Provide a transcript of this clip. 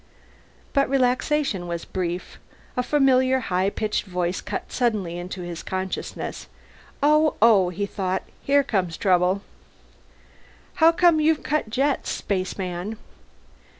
But relaxation was brief. A familiar high pitched voice cut suddenly into his consciousness. Oh, oh, he thought. Here comes trouble. "How come you've cut jets, spaceman?"